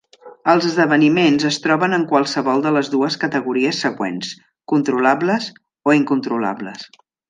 Els esdeveniments es troben en qualsevol de les dues categories següents, controlables o incontrolables.